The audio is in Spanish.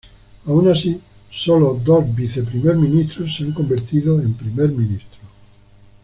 Aun así, solo dos Vice-primer ministros se han convertido en Primer ministro.